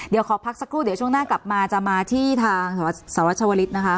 เดี๋ยวขอพักสักครู่เดี๋ยวช่วงหน้ากลับมาจะมาที่ทางสหรัฐชวลิศนะคะ